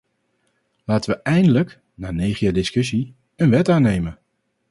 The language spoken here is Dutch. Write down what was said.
Laten wij eindelijk, na negen jaar discussie, een wet aannemen!